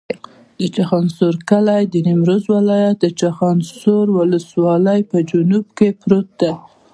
د چخانسور کلی د نیمروز ولایت، چخانسور ولسوالي په جنوب کې پروت دی.